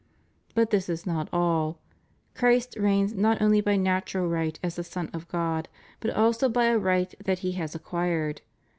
But this is not all. Christ reigns not only by natural right as the Son of God but also by a right that He has acquired.